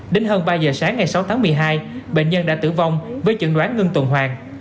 đến hơn ba giờ sáng ngày sáu tháng một mươi hai bệnh nhân đã tử vong với chẩn đoán ngưng tuần hoàng